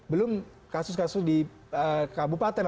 belum kasus kasus di kabupaten